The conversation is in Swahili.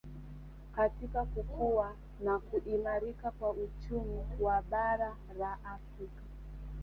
katika kukua na kuimarika kwa uchumi wa bara la Afrika